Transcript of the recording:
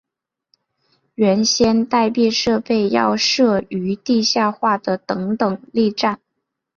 原先待避设备要设于地下化的等等力站。